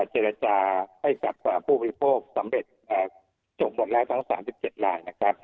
เจรจาให้กับผู้บริโภคสำเร็จจบหมดแล้วทั้ง๓๗ลายนะครับ